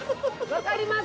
分かります